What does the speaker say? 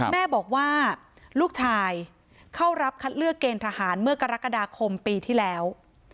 แม่บอกว่าลูกชายเข้ารับคัดเลือกเกณฑ์ทหารเมื่อกรกฎาคมปีที่แล้ว